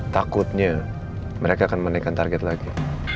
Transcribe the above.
takutnya mereka akan menaikkan target lagi